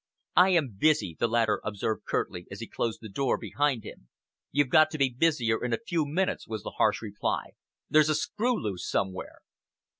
"I am busy," the latter observed curtly, as he closed the door behind him. "You've got to be busier in a few minutes," was the harsh reply. "There's a screw loose somewhere."